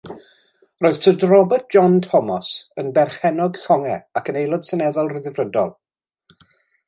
Roedd Syr Robert John Thomas yn berchennog llongau ac yn Aelod Seneddol Rhyddfrydol.